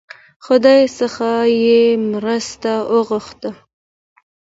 خدای څخه یې مرسته وغوښته.